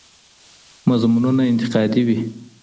مضمونونه انتقادي وي.